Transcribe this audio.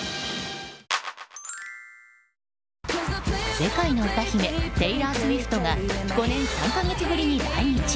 世界の歌姫テイラー・スウィフトが５年３か月ぶりに来日。